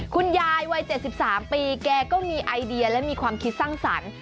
คุณยายวัย๗๓ปีแกก็มีไอเดียและมีความคิดสร้างสรรค์